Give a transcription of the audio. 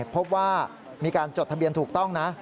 พบว่ามีการจดทะเบียนถูกต้องนะ